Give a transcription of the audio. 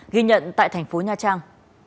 ghi nhận tại thành phố nha trang